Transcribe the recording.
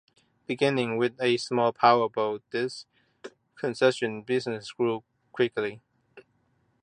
Beginning with a small powerboat, this concession business grew quickly.